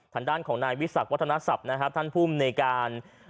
ทางด้านของนวิสักฯวัฒนสับท่านพูมในการ